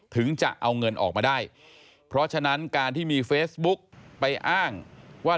ถึงจะเอาเงินออกมาได้เพราะฉะนั้นการที่มีเฟซบุ๊กไปอ้างว่า